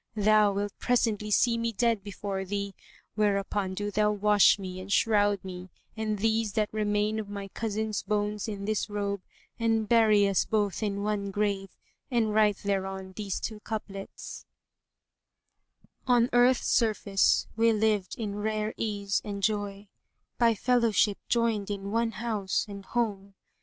Thou wilt presently see me dead before thee; whereupon do thou wash me and shroud me and these that remain of my cousin's bones in this robe and bury us both in one grave and write thereon these two couplets:— On Earth surface we lived in rare ease and joy * By fellowship joined in one house and home.